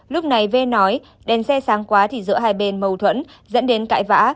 lúc này v nói đèn xe sáng quá thì giữa hai bên mâu thuẫn dẫn đến cãi vã